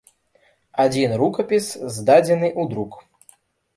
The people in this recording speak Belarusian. Адзін рукапіс здадзены ў друк.